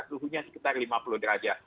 suhunya sekitar lima puluh derajat